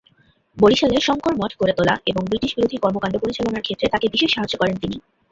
বরিশালে 'শঙ্কর মঠ' গড়ে তোলা এবং ব্রিটিশ-বিরোধী কর্মকাণ্ড পরিচালনার ক্ষেত্রে তাঁকে বিশেষ সাহায্য করেন তিনি।